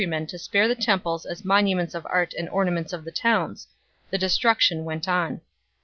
men to spare the temples as monuments of art and orna ments of the towns ; the destruction went on.